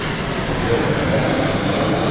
— Де варила?